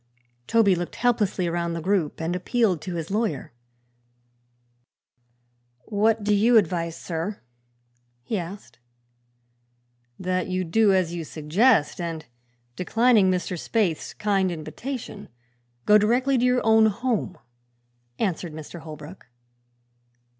Toby looked helplessly around the group and appealed to his lawyer. "What do you advise, sir?" he asked. "That you do as you suggest and, declining Mr. Spaythe's kind invitation, go directly to your own home," answered Mr. Holbrook.